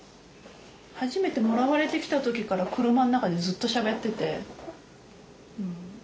初めてもらわれてきた時から車の中でずっとしゃべってて。